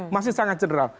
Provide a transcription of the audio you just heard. masih sangat general